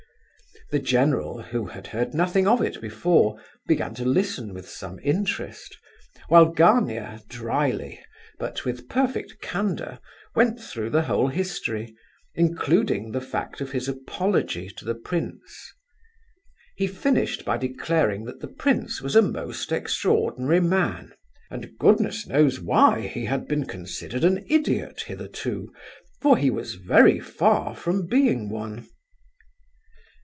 The general, who had heard nothing of it before, began to listen with some interest, while Gania, drily, but with perfect candour, went through the whole history, including the fact of his apology to the prince. He finished by declaring that the prince was a most extraordinary man, and goodness knows why he had been considered an idiot hitherto, for he was very far from being one.